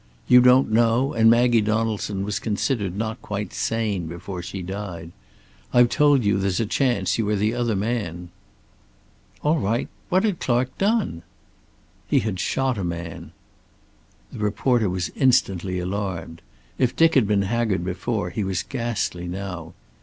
You don't know, and Maggie Donaldson was considered not quite sane before she died. I've told you there's a chance you are the other man." "All right. What had Clark done?" "He had shot a man." The reporter was instantly alarmed. If Dick had been haggard before, he was ghastly now.